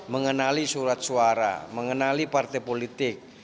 mengenali surat suara mengenali partai politik